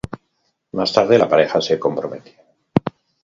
Más tarde la pareja se compromete.